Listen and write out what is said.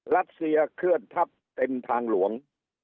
รัสเซียเคลื่อนทับเต็มทางหลวง